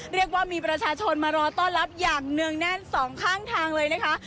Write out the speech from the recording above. เรียกว่ามีประชาชนมารอต้อนรับอย่างเนื่องแน่นสองข้างทางเลยนะคะ